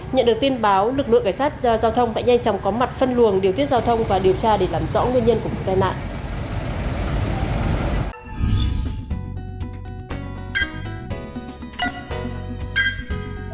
nhận được tin báo lực lượng cảnh sát giao thông đã nhanh chóng có mặt phân luồng điều tiết giao thông và điều tra để làm rõ nguyên nhân của vụ tai nạn